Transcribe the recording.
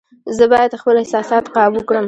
زه باید خپل احساسات قابو کړم.